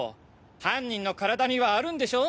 犯人の体にはあるんでしょ？